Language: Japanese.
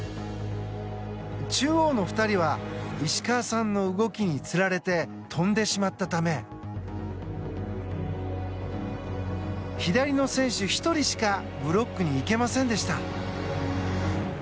中央の２人は石川さんの動きにつられて跳んでしまったため左の選手１人しかブロックに行けませんでした。